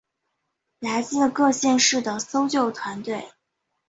来自各县市的搜救团队